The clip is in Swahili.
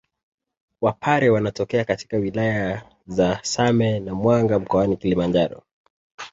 Wapare wanatokea katika wilaya za Same na Mwanga mkoani Kilimanjaro